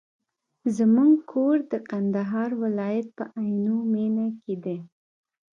زموږ کور د کندهار ولایت په عينو مېنه کي دی.